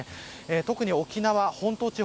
特に沖縄本島地方